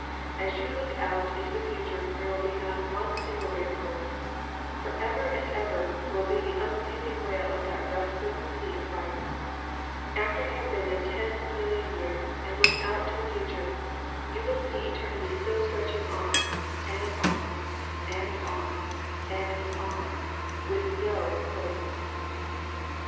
As you look out into the future there will not be one single ray of hope. "Forever and ever" will be the unceasing wail of that restless sea of fire. After you have been there ten million years and look out toward the future you will see eternity still stretching on and on and on and on, with no hope.